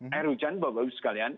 air hujan itu bagus sekalian